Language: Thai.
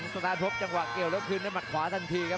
สถานทบจังหวะเกี่ยวแล้วคืนด้วยหมัดขวาทันทีครับ